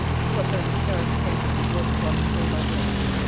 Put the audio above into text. What though the scarificators work upon him day by day?